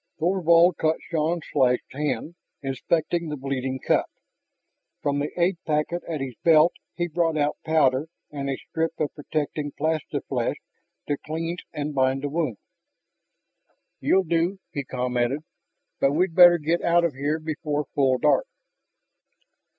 Thorvald caught Shann's slashed hand, inspecting the bleeding cut. From the aid packet at his belt he brought out powder and a strip of protecting plasta flesh to cleanse and bind the wound. "You'll do," he commented. "But we'd better get out of here before full dark."